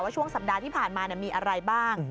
ช่วงสัปดาห์ที่ผ่านมามีอะไรบ้าง